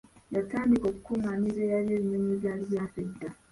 Yatandika okukungaanya ebyoya by'ebinyonyi ebyali byafa edda.